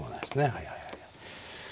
はいはいはいはい。